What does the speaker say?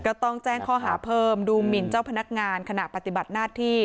ก็ต้องแจ้งข้อหาเพิ่มดูหมินเจ้าพนักงานขณะปฏิบัติหน้าที่